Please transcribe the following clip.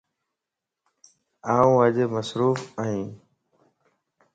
آن اڄ مصروف ائين